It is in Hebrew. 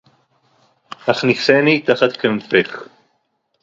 הַכְנִיסִינִי תַּחַת כְּנָפֵךְ